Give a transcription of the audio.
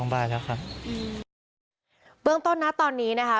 เบื้องต้นนะตอนนี้นะคะ